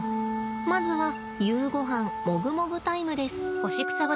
まずは夕ごはんもぐもぐタイムです。